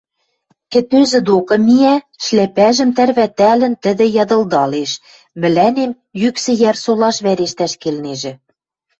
Кӹтӧзӹ докы миӓ, шляпӓжӹм тӓрвӓтӓлӹн, тӹдӹ ядылдалеш: «Мӹлӓнем Йӱксӹйӓр солаш вӓрештӓш келнежӹ.